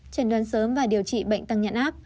trần đoán sớm và điều trị bệnh tăng nhãn áp